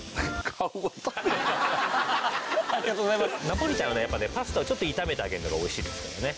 ナポリタンはねやっぱねパスタをちょっと炒めてあげるのが美味しいですからね。